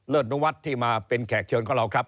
นุวัฒน์ที่มาเป็นแขกเชิญของเราครับ